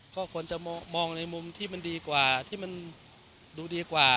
ก็ควรจะมองในมุมที่มันดีกว่าที่มันดูดีกว่า